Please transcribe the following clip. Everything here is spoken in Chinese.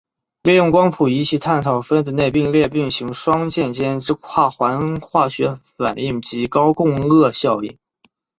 利用光谱仪器探讨分子内并列平行双键间之跨环化学反应及高共轭效应。